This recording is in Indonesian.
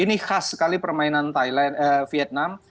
ini khas sekali permainan vietnam